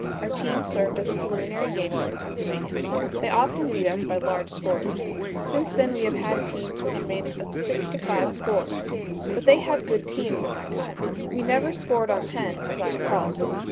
Our team served as a preliminary game for Pennsylvania. They often beat us by large scores. Since then we have had teams which made a 6 to 5 score. But they had good teams in my time. We never scored on Penn, as I recall.